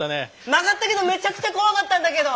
曲がったけどめちゃくちゃ怖かったんだけど。